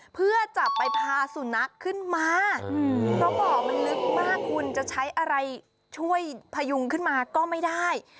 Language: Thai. เพื่อจับไปพาสุนัขขึ้นมาเพราะบ่อมันลึกมากคุณจะใช้อะไรช่วยพยุงขึ้นมาก็ไม่ได้